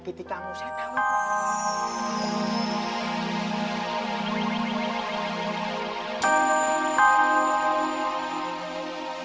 kita berdua nanti